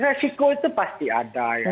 resiko itu pasti ada ya